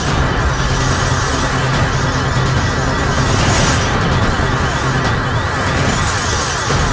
aku akan terus mencegah pangan